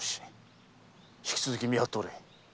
引き続き見張っておれ。